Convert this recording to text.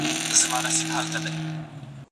که ته مآخذونه ونه لرې نو لیکنه به بې بنسټه وي.